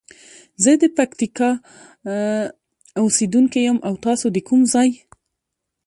زه د پکتیکا اوسیدونکی یم او تاسو د کوم ځاي؟